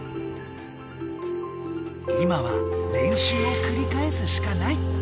今は練習をくりかえすしかない。